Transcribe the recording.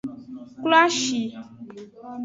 Kloashi.